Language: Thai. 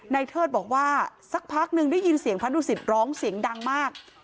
เทิดบอกว่าสักพักหนึ่งได้ยินเสียงพระดุสิตร้องเสียงดังมาก